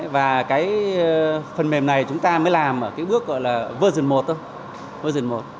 và cái phần mềm này chúng ta mới làm ở cái bước gọi là verson một thôi